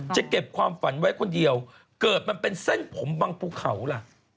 จะเก็บความฝันไว้คนเดียวเกิดมันเป็นเส้นผมบังภูเขาล่ะ